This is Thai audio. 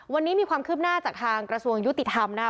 วันนี้มีความคืบหน้าจากทางกระทรวงยุติธรรมนะครับ